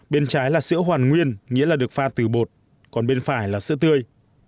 bên trái là sữa hoàn nguyên nghĩa là được pha từ bột còn bên phải là sữa tươi